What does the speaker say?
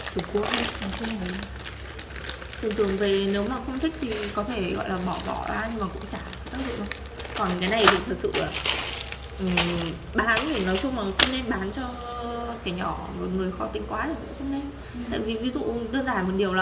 thường thường về nếu mà không thích thì có thể gọi là bỏ bỏ ra nhưng mà cũng chả